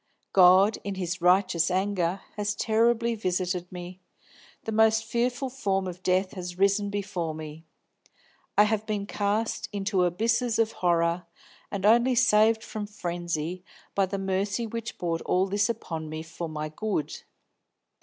God, in His righteous anger, has terribly visited me. The most fearful form of death has risen before me; I have been cast into abysses of horror, and only saved from frenzy by the mercy which brought all this upon me for my good.